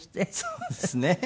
そうですね。